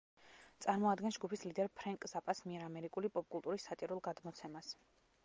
წარმოადგენს ჯგუფის ლიდერ ფრენკ ზაპას მიერ ამერიკული პოპ-კულტურის სატირულ გადმოცემას.